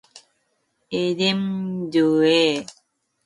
에덴동산 동편에 그룹들과 두루 도는 화염검을 두어 생명나무의 길을 지키게 하시니라